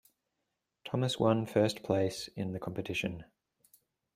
Thomas one first place in the competition.